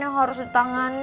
yang harus ditanganin